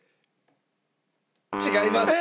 違います。